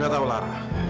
gak tau lara